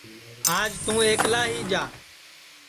آج توں ایکلا ہی جا